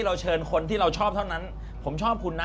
เราเชิญคนที่เราชอบเท่านั้นผมชอบคุณนะ